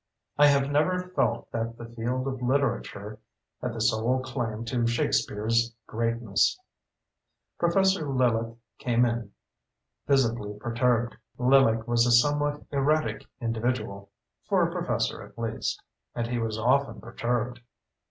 I have never felt that the field of literature had the sole claim to Shakespeare's greatness. Professor Lillick came in, visibly perturbed. Lillick was a somewhat erratic individual (for a professor, at least) and he was often perturbed.